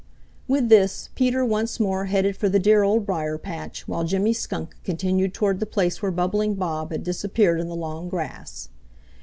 With this, Peter once more headed for the dear Old Briar patch, while Jimmy Skunk continued toward the place where Bubbling Bob had disappeared in the long grass.